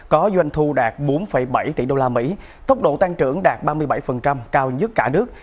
có doanh thu đạt bốn bảy tỷ đô la mỹ tốc độ tăng trưởng đạt ba mươi bảy cao nhất cả nước